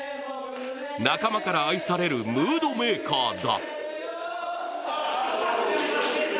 仲間から愛されるムードメーカーだ。